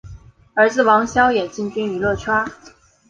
儿子王骁也进军娱乐圈。